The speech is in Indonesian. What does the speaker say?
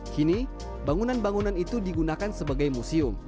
kini bangunan bangunan itu digunakan sebagai museum